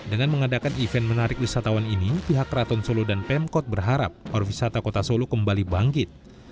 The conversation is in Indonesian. dengan mengadakan event menarik wisatawan ini pihak keraton solo dan pemkot berharap pariwisata kota solo kembali bangkit